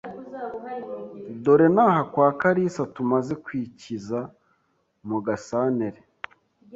dore naha kwa Kalisa tumaze kwikiza mugasantere